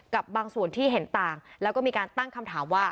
กับบางส่วนที่เห็นต่างแล้วก็มีการตั้งคำถามว่า